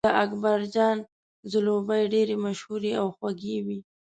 د اکبرجان ځلوبۍ ډېرې مشهورې او خوږې وې.